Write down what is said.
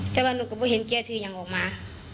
แต่บ้างหนูก็เห็นแก่คืออยังออกมา